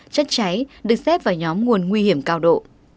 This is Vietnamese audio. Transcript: chất cháy được xếp vào nhóm nguồn nguy hiểm cao độ